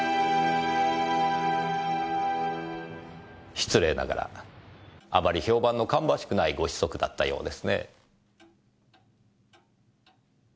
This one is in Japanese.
失礼ながらあまり評判の芳しくないご子息だったようですね。